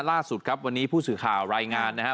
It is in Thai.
ล่าสุดวันนี้ผู้สื่อข่าวรายงานนะฮะ